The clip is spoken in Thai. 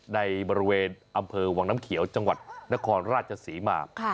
ในบริเวณอำเภอวังน้ำเขียวจังหวัดนครราชศรีมา